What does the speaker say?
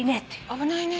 危ないね。